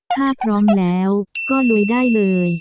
ถ้าพร้อมแล้วก็ลุยได้เลย